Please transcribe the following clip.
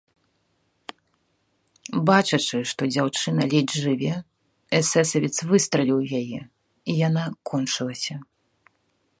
Бачачы, што дзяўчына ледзь жыве, эсэсавец выстраліў у яе, і яна кончылася.